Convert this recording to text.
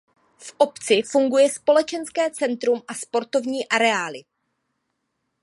V obci funguje společenské centrum a sportovní areály.